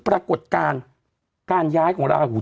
ปรากฏการณ์การย้ายของราหู